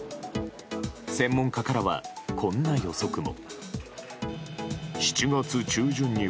専門家からは、こんな予測も。